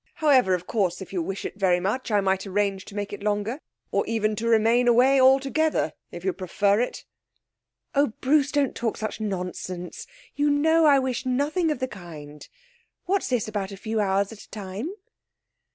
However, of course, if you wish it very much I might arrange to make it longer. Or even to remain away altogether, if you prefer it.' 'Oh, Bruce, don't talk such nonsense! You know I wish nothing of the kind. What's this about a few hours at a time?'